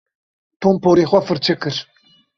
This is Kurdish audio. Tom porê xwe firçe kir.